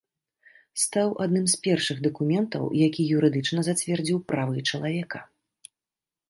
Стаў адным з першых дакументаў, які юрыдычна зацвердзіў правы чалавека.